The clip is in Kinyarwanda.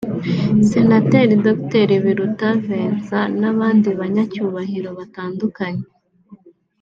Senateri Dr Biruta Vincent n’abandi banyacyubahiro batandukanye